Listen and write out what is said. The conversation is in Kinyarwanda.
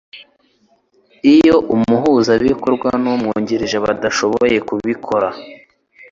iyo umuhuzabikorwa n umwungirije badashoboye kubikora